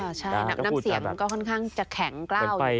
ใช่น้ำเสียงมันก็ค่อนข้างจะแข็งกล้าว